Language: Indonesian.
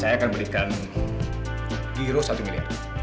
saya akan memberikan satu miliar